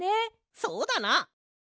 そうだな。